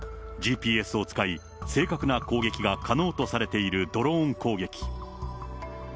ＧＰＳを使い、正確な攻撃が可能とされているドローン攻撃。